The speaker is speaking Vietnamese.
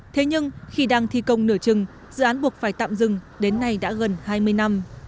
thế nhưng khi đang thi công nửa chừng dự án buộc phải tạm dừng đến nay đã gần hai mươi năm